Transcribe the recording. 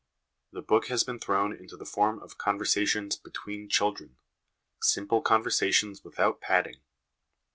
The book has been thrown into the form of conversations between children simple conversations without padding.